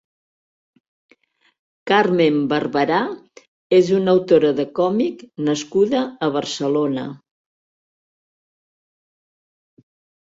Carmen Barbarà és una autora de còmic nascuda a Barcelona.